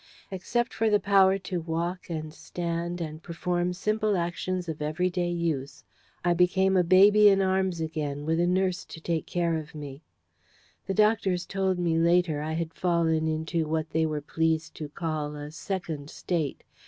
Except for the power to walk and stand and perform simple actions of every day use, I became a baby in arms again, with a nurse to take care of me. The doctors told me, later, I had fallen into what they were pleased to call "a Second State."